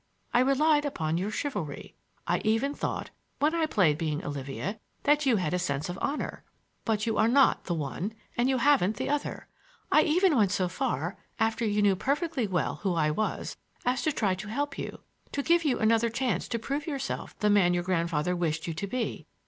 I relied upon your chivalry; I even thought, when I played being Olivia, that you had a sense of honor. But you are not the one and you haven't the other. I even went so far, after you knew perfectly well who I was, as to try to help you—to give you another chance to prove yourself the man your grandfather wished you to be.